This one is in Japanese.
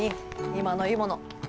今のいいもの。